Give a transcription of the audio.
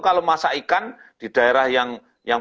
kalau masak ikan di daerah yang